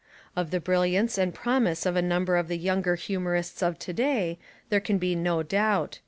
Of the brilliance and promise of a number of the younger humorists of to day there can be no doubt.